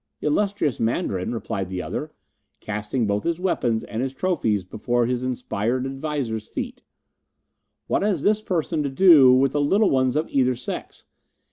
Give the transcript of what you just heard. "Illustrious Mandarin," replied the other, casting both his weapons and his trophies before his inspired adviser's feet, "what has this person to do with the little ones of either sex?